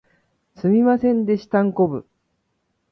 すみませんでしたんこぶ